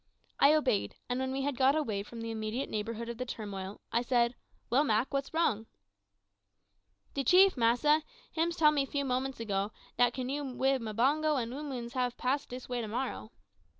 I obeyed, and when we had got away from the immediate neighbourhood of the turmoil, I said, "Well, Mak, what's wrong?" "De chief, massa, hims tell me few moments ago dat canoe wid Mbango and oomans hab pass dis way to morrow."